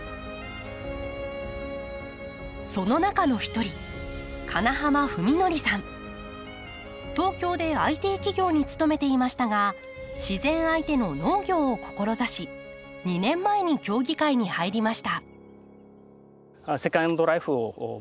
その中の一人東京でＩＴ企業に勤めていましたが自然相手の農業を志し２年前に協議会に入りました。